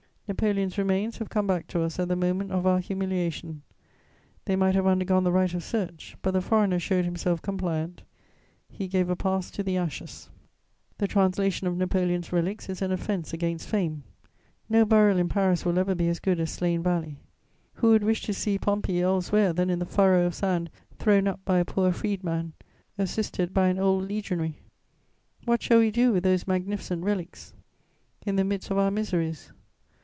Napoleon's remains have come back to us at the moment of our humiliation; they might have undergone the right of search; but the foreigner showed himself compliant: he gave a pass to the ashes. The translation of Napoleon's relics is an offense against fame. No burial in Paris will ever be as good as Slane Valley: who would wish to see Pompey elsewhere than in the furrow of sand thrown up by a poor freedman, assisted by an old legionary? What shall we do with those magnificent relics in the midst of our miseries?